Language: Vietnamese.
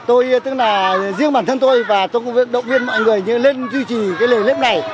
tôi tức là riêng bản thân tôi và tôi cũng động viên mọi người như lên duy trì cái lời liếp này